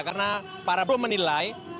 karena para buruh menilai